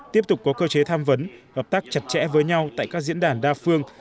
tiếp tục có cơ chế tham vấn hợp tác chặt chẽ với nhau tại các diễn đàn đa phương